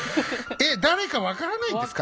えっ誰か分からないんですか？